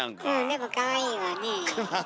でもかわいいわねえ。